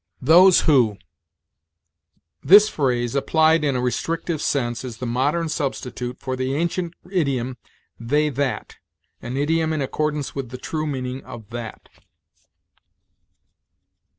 THOSE WHO. This phrase, applied in a restrictive sense, is the modern substitute for the ancient idiom they that, an idiom in accordance with the true meaning of that.